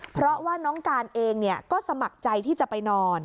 เพราะว่าน้องการเองก็สมัครใจที่จะไปนอน